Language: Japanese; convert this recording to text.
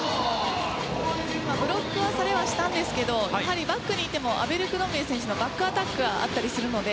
ブロックはされはしたんですけどやはりバックにいてもアベルクロンビエ選手のバックアタックがあったりするので。